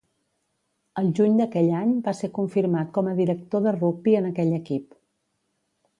El juny d'aquell any va ser confirmat com a Director de Rugbi en aquell equip.